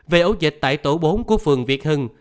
về ấu dịch tại tổ bốn của phường việt hưng